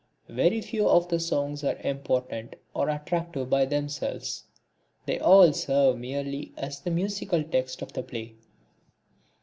Very few of the songs are important or attractive by themselves; they all serve merely as the musical text of the play.